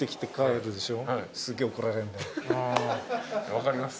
分かります。